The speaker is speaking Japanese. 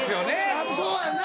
やっぱそうやんな。